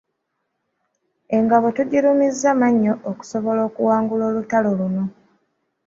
Engabo tugirumizza mannyo okusobola okuwangula olutalo luno.